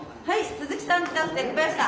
鈴木さんじゃなくて小林さん。